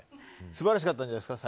素晴らしかったんじゃないですか。